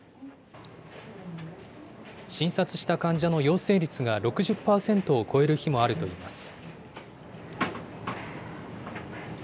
診察した患者の陽性率が６０％を超える日もあるといいます。